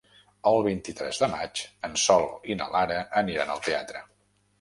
El vint-i-tres de maig en Sol i na Lara aniran al teatre.